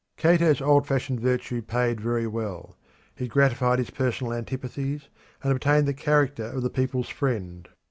Cato's old fashioned virtue paid very well. He gratified his personal antipathies and obtained the character of the people's friend.